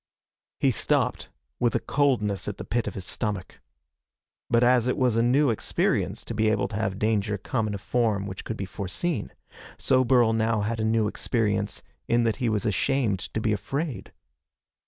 He stopped, with a coldness at the pit of his stomach. But as it was a new experience to be able to have danger come in a form which could be foreseen, so Burl now had a new experience in that he was ashamed to be afraid.